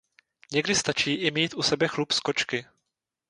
Někdy stačí i mít u sebe chlup z kočky.